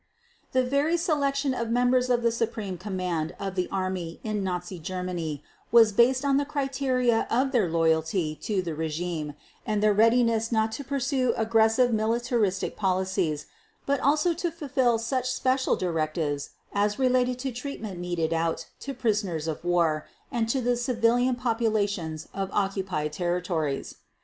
The very selection of members of the Supreme Command of the Army in Nazi Germany was based on the criteria of their loyalty to the regime and their readiness not to pursue aggressive militaristic policies but also to fulfill such special directives as related to treatment meted out to prisoners of war and to the civilian populations of occupied territories.